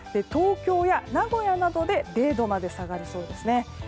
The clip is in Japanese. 東京や名古屋などで０度まで下がりそうですね。